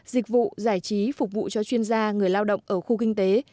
dịch vụ giải trí phục vụ cho chuyên gia người lao động ở khu kinh tế